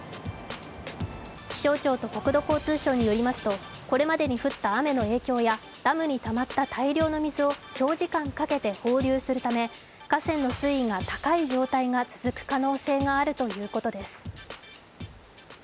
気象庁と国土交通省によりますとこれまでに降った雨の影響やダムにたまった大量の水を長時間かけて放流するため河川の水位が高い状態が続く可能性があるということです。